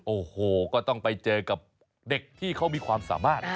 โอ้โหก็ต้องไปเจอกับเด็กที่เขามีความสามารถ